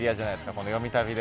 この「よみ旅！」で。